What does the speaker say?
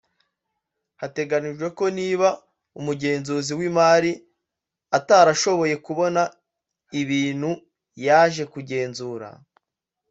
hateganyijwe ko niba umugenzuzi w’imari atarashoboye kubona ibintu yaje kugenzura